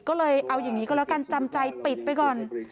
ก็เลยเอาอย่างนี้ก็แล้วกันจำใจปิดไปก่อน